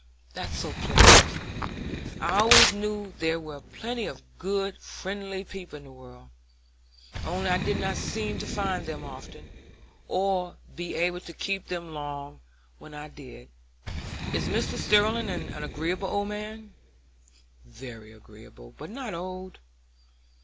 "That's so pleasant! I always knew there were plenty of good, friendly people in the world, only I did not seem to find them often, or be able to keep them long when I did. Is Mr. Sterling an agreeable old man?" "Very agreeable, but not old.